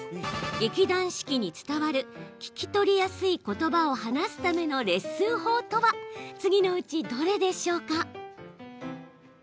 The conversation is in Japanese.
劇団四季に伝わる聞き取りやすいことばを話すためのレッスン法とは次のうちどれでしょう。